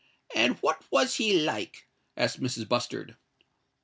"And what was he like?" asked Mrs. Bustard.